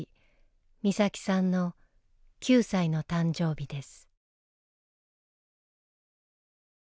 美咲さんの９歳の誕生日です。